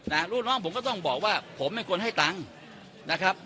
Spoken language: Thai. ลูกน้องผมก็ต้องบอกว่าผมไม่ควรให้ตังค์นะครับ